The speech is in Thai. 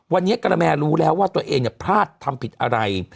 วันนี้กระแมรู้แล้วว่าตัวเองเนี่ยพลาดทำผิดอะไร